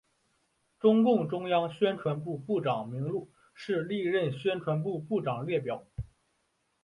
中共中央宣传部部长名录是历任宣传部部长列表。